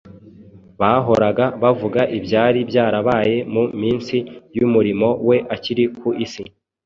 Bahoraga bavuga ibyari byarabaye mu minsi y’umurimo we akiri ku isi,